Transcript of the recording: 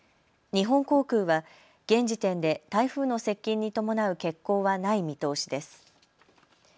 日本航空は現時点で台風の接近に伴う欠航はない見通しです。